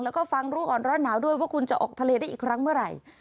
แล้วก็ฟังรู้ก่อนร้อนหนาวด้วยว่าคุณจะออกทะเลได้อีกครั้งเมื่อไหร่